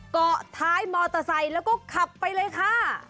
เกาะท้ายมอเตอร์ไซค์แล้วก็ขับไปเลยค่ะ